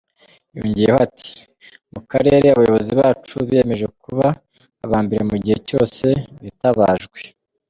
Yongeyeho ati “Mu karere abayobozi bacu biyemeje kuba aba mbere mu gihe cyose bitabajwe”.